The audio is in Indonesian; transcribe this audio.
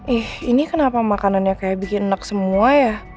ih ini kenapa makanannya kayak bikin enak semua ya